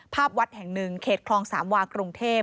ภาพวัดแห่งหนึ่งเขตคลองสามวากรุงเทพ